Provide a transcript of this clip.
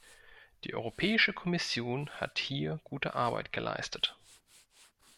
Die Europäische Kommission hat hier gute Arbeit geleistet.